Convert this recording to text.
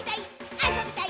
あそびたい！